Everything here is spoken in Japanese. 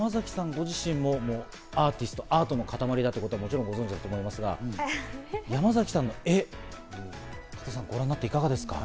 ご自身もアーティスト、アートの塊だということもちろんご存じだと思いますが、山崎さんの絵、ご覧になっていかがですか？